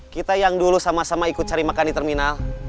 kita yang dulu sama sama ikut cari makan di terminal